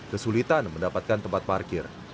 kesulitan mendapatkan tempat parkir